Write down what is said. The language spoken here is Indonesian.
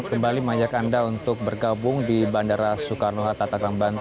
kembali mengajak anda untuk bergabung di bandara soekarno hatta tangerang banten